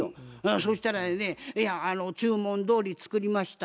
そしたらやね「注文どおり作りました。